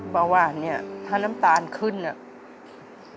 บอกว่าเนี่ยถ้าน้ำตาลขึ้นเนี่ย